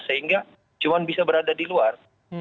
sehingga cuma bisa berada di luar